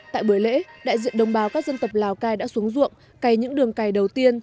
tại buổi lễ đại diện đồng bào các dân tộc lào cai đã xuống ruộng cày những đường cày đầu tiên